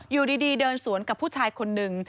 อยู่ดีเดินสวนกับผู้ชายคนหนึ่ง